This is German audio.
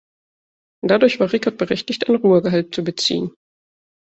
Dadurch war Rickert berechtigt, ein Ruhegehalt zu beziehen.